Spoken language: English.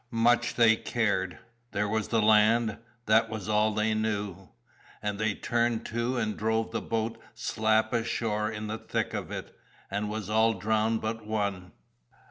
Much they cared! there was the land, that was all they knew; and they turned to and drove the boat slap ashore in the thick of it, and was all drowned but one.